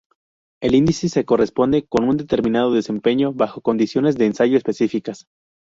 El índice se corresponde con un determinado desempeño bajo condiciones de ensayo específicas.